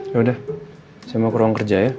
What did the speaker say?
ya udah saya mau ke ruang kerja ya